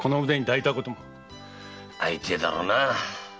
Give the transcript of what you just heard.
会いてえだろうな。